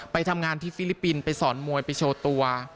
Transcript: ไปทำงานที่ฟิลิปปินส์ไปสอนมวยไปโชว์ตัว